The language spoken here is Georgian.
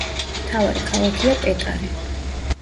მთავარი ქალაქია პეტარე.